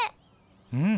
うん。